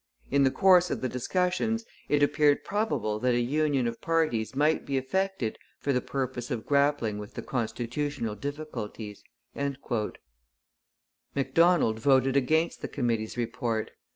In the course of the discussions it appeared probable that a union of parties might be effected for the purpose of grappling with the constitutional difficulties.' Macdonald voted against the committee's report.